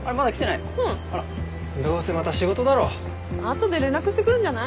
後で連絡してくるんじゃない？